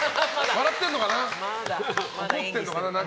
笑ってるのかな怒ってるのかな？